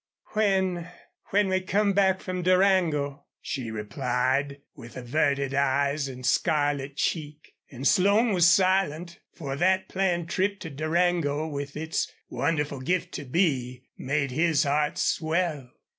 "When when we come back from Durango," she replied, with averted eyes and scarlet cheek. And Slone was silent, for that planned trip to Durango, with its wonderful gift to be, made his heart swell.